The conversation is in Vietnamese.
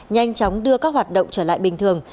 nhanh chóng đưa các hoạt động trở lại bình thường